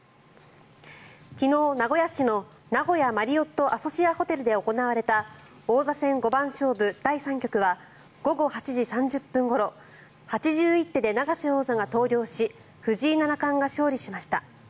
昨日、名古屋市の名古屋マリオットアソシアホテルで行われた王座戦五番勝負第３局は午後８時３０分ごろ８１手で永瀬王座が投了し藤井七冠が勝利しました。